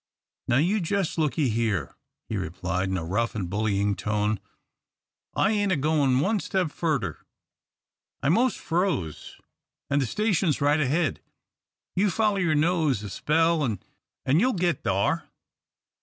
"Now you jus' looky here," he replied, in a rough and bullying tone. "I ain't a goin' one step furder. I'm mos' froze, an' the station's right ahead. You foller yer nose a spell, an' you'll git thar.